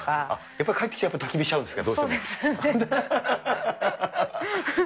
やっぱり帰ってきてたき火しちゃうんですか？